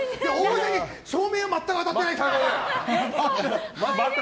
照明が全く当たってない。